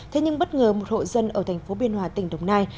thế nhưng bất ngờ một hộ dân ở tp biên hòa tỉnh đồng nai